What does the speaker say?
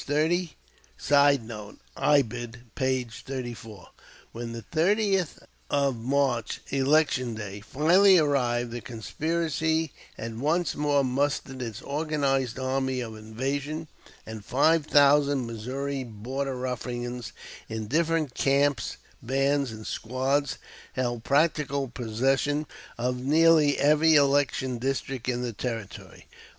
30.] [Sidenote: Ibid., p. 34.] When the 30th of March, election day, finally arrived, the conspiracy had once more mustered its organized army of invasion, and five thousand Missouri Border Ruffians, in different camps, bands, and squads, held practical possession of nearly every election district in the Territory.